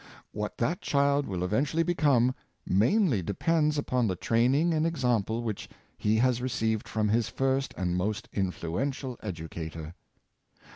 What that child will eventually become, mainly depends upon the training and example which he has received from his first and most influential edu cator.